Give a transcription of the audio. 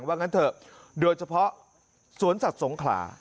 ว่างั้นเถอะโดยเฉพาะสวนสัตว์สงขลา